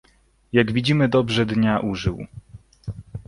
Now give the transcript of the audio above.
"Jak widzimy dobrze dnia użył."